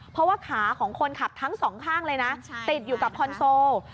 เพราะว่าขาของคนขับทั้งสองข้างเลยนะติดอยู่กับคอนโซล